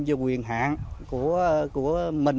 và quyền hạn của mình